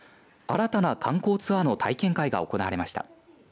新たな観光ツアーの体験会が行われました。